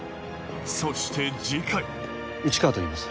そして次回「市川といいます。